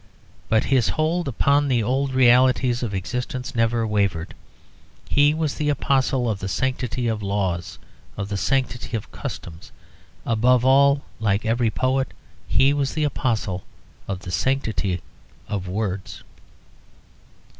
But his hold upon the old realities of existence never wavered; he was the apostle of the sanctity of laws, of the sanctity of customs; above all, like every poet, he was the apostle of the sanctity of words.